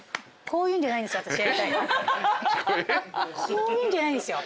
こういうんじゃないですよ。